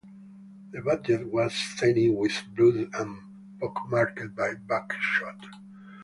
The badge was stained with blood and pockmarked by buckshot.